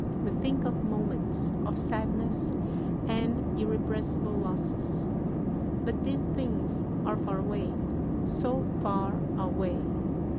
We think of moments of sadness and irrepressible losses. But these things are far away, so far away!